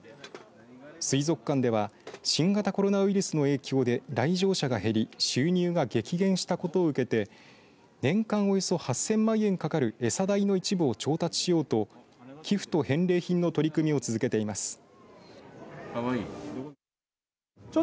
水族館では新型コロナウイルスの影響で来場者が減り収入が激減したことを受けて年間およそ８０００万円かかるえさ代の一部を調達しようと寄付と返礼品の取り組みを続けています。